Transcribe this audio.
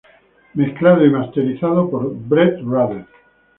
Mezclado y masterizado por Brett Rader.